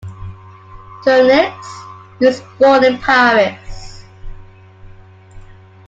Tourneux, he was born in Paris.